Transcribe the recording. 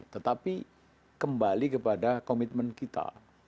tetapi kembali kepada komitmen kita